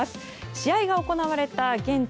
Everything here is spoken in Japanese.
試合が行われた現地